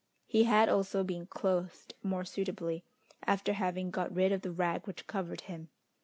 He had also been clothed more suitably, after having got rid of the rag which covered him.